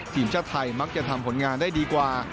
ทีมชาติไทยมักจะทำผลงานได้ดีกว่า